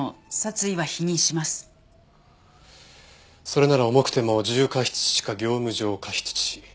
それなら重くても重過失致死か業務上過失致死。